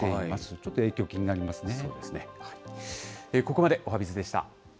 ちょっと影響気になりますね。